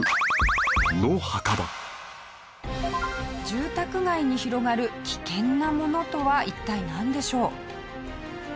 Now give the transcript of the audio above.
住宅街に広がる危険なものとは一体なんでしょう？